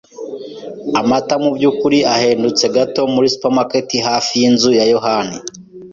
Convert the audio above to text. Amata mubyukuri ahendutse gato muri supermarket hafi yinzu ya yohani.